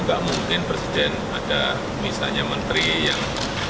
nggak mungkin presiden ada misalnya menteri yang